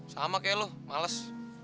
sama kayak lu males